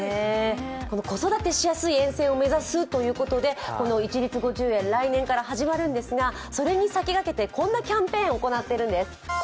子育てしやすい沿線を目指すということで一律５０円、来年から始まるんですが、それに先駆けてこんなキャンペーンを行っているんです。